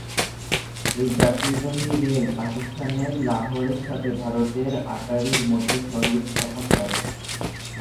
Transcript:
এ যাত্রীবাহী রেল পাকিস্তানের লাহোরের সাথে ভারতের আটারীর মধ্যে সংযোগ স্থাপন করে।